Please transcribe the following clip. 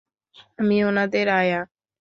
আমি উনাদের আয়া!